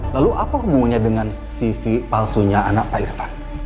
lalu apa hubungannya dengan cv palsunya anak pak irfan